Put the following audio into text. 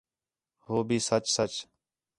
ہو بھی سچ، سچ